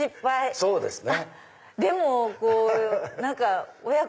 そうですね。